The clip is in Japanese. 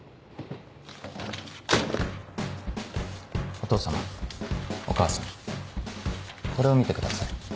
お父様お母様これを見てください。